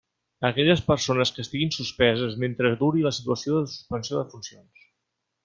Aquelles persones que estiguin suspeses, mentre duri la situació de suspensió de funcions.